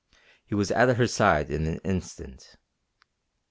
He was at her side in an instant.